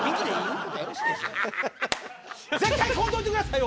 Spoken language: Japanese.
絶対来んといてくださいよ！